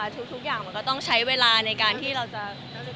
ทุกอย่างมันก็ต้องใช้เวลาในการที่เราจะ